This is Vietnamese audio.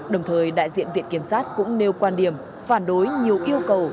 đồng thời đại diện viện kiểm sát cũng nêu quan điểm phản đối nhiều yêu cầu